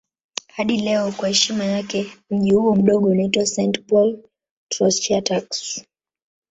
Hadi leo kwa heshima yake mji huo mdogo unaitwa St. Paul Trois-Chateaux.